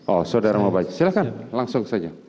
oh saudara mau baca silahkan langsung saja